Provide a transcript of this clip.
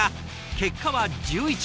結果は１１位。